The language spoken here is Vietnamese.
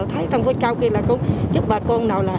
thì ban ngày hỗ trợ giúp bà con nông dân